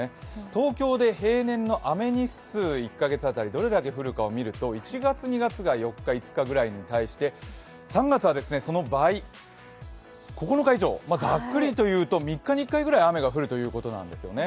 東京で平年の雨日数、１か月当たりどれくらい降るかを見ると１月、２月が４日、５日ぐらいに対して３月はその倍、９日以上、ざっくりと言うと３日に１回ぐらい雨が降るっていうことなんですね。